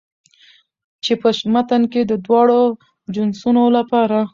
چې په متن کې د دواړو جنسونو لپاره